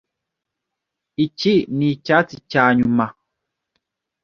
Iki nicyatsi cyanyuma!